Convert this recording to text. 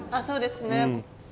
そうですね。